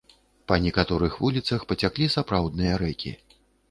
Па некаторых вуліцах пацяклі сапраўдныя рэкі.